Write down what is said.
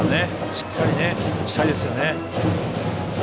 しっかり打ちたいですよね。